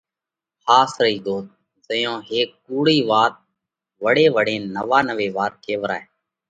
ۿاس رئِي ڳوت: زئيون هيڪ ڪُوڙئِي وات وۯي وۯينَ نوانوي وار ڪيوَرائہ